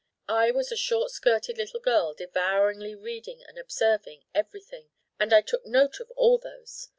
I was a short skirted little girl devouringly reading and observing everything, and I took note of all those.